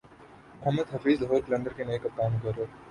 محمد حفیظ لاہور قلندرز کے نئے کپتان مقرر